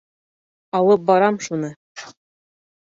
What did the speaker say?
— Алып барам шуны.